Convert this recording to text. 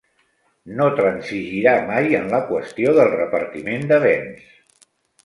No transigirà mai en la qüestió del repartiment de béns.